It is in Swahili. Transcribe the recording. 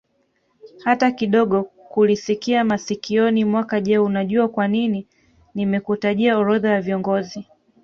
hata kidogokulisikia masikioni mwako Je unajua kwanini nimekutajia orodha ya viongozi